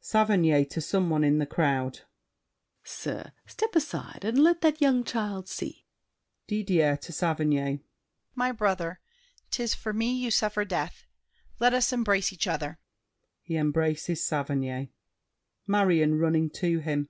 SAVERNY (to some one in the crowd). Sir, step aside and let that young child see! DIDIER (to Saverny). My brother, 'tis for me you suffer death; Let us embrace each other! [He embraces Saverny. MARION (running to him).